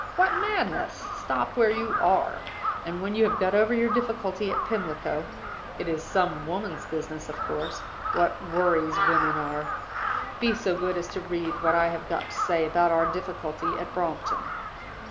What madness! Stop where you are; and when you have got over your difficulty at Pimlico (it is some woman's business, of course; what worries women are!), be so good as to read what I have got to say about our difficulty at Brompton.